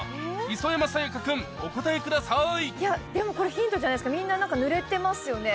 磯山さやか君お答えくださいでもこれヒントじゃないですかみんなぬれてますよね。